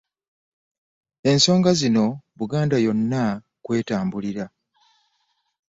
Ensonga zino Buganda yonna kw'etambulira.